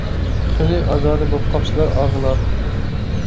خېلى ئازادە بوپقاپسىلەر، ئاغىلار.